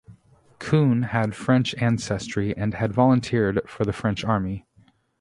Keun had French ancestry and had volunteered for the French Army.